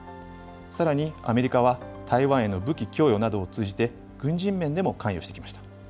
さらにアメリカは台湾への武器供与などを通じて、軍事面でも関与してきました。